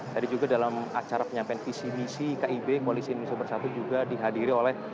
tadi juga dalam acara penyampaian visi misi kib koalisi indonesia bersatu juga dihadiri oleh